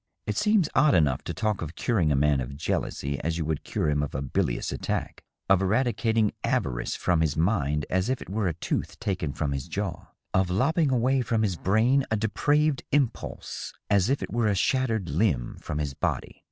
It seems odd enough to talk of curing a man of jealousy as you would cure him of a bilious attack ; of eradicating avarice from his mind as if it were a tooth taken from his jaw ; of lopping away from his brain a depraved impulse as if it were a shattered limb from his body.